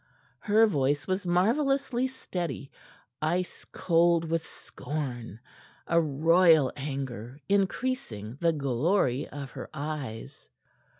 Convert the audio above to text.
Her voice was marvelously steady, ice cold with scorn, a royal anger increasing the glory of her eyes.